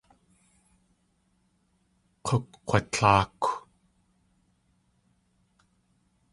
K̲ukg̲watláakw.